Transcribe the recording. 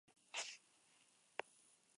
Es un texto oral en forma escrita.